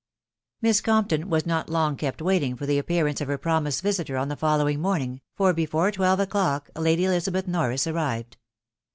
Miss Compton was not long kept waiting for the appearance of her promised visiter on the following morning, for before twelve o'clock Lady Elizabeth Norris arrived.